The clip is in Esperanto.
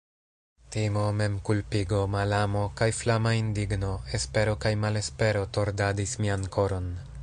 Timo, memkulpigo, malamo, kaj flama indigno, espero kaj malespero tordadis mian koron.